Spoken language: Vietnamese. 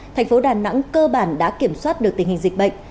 tp đà nẵng cơ bản đã kiểm soát được tình hình dịch bệnh